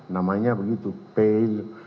namanya begitu pel